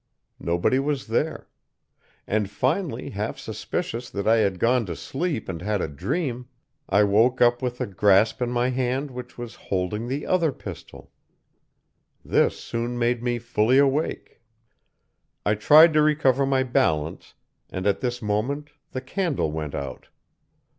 Nobody was there; and, finally half suspicious that I had gone to sleep and had a dream, I woke up with a grasp on my hand which was holding the other pistol. This soon made me fully awake. "I tried to recover my balance, and at this moment the candle went out.